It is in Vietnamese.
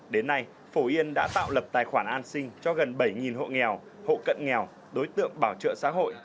đến nay phổ yên đã tạo lập tài khoản an sinh cho gần bảy hộ nghèo hộ cận nghèo đối tượng bảo trợ xã hội